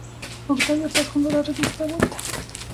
Octavio Paz fundó la revista "Vuelta".